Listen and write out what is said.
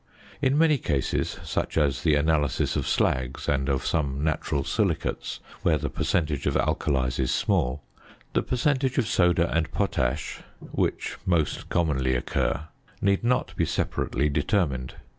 In many cases (such as the analysis of slags and of some natural silicates where the percentage of alkalies is small) the percentage of soda and potash (which most commonly occur) need not be separately determined.